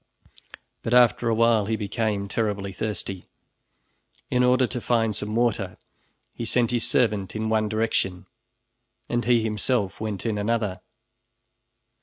But after a while he became terribly thirsty. In order to find some water he sent his servant in one direction and he himself went in another.